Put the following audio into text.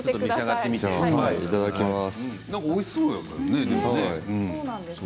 いただきます。